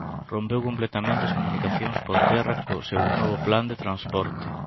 Rompeu completamente as comunicacións por terra co seu novo Plan de transporte.